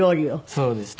そうですか。